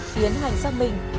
tiến hành xác minh